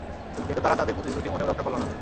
কিন্তু তারা তাদের প্রতিশ্রুতি মোটেও রক্ষা করল না।